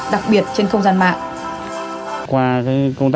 đặc biệt trên không gian mạng